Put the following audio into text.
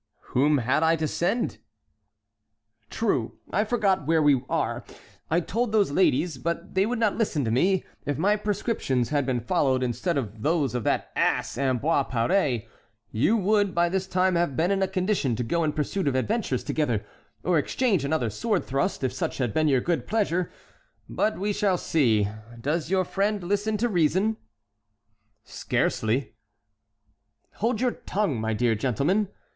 "Whom had I to send?" "True, I forgot where we are. I had told those ladies, but they would not listen to me. If my prescriptions had been followed instead of those of that ass, Ambroise Paré, you would by this time have been in a condition to go in pursuit of adventures together, or exchange another sword thrust if such had been your good pleasure; but we shall see. Does your friend listen to reason?" "Scarcely." "Hold out your tongue, my dear gentleman."